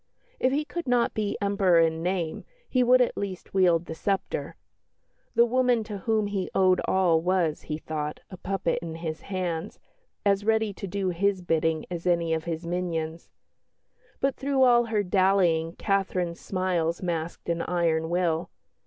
If he could not be Emperor in name, he would at least wield the sceptre. The woman to whom he owed all was, he thought, but a puppet in his hands, as ready to do his bidding as any of his minions. But through all her dallying Catherine's smiles masked an iron will.